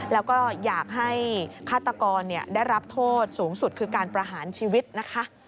แล้วก็อยากให้ฆาตกรได้รับโทษสูงสุดคือการประหารชีวิตนะคะ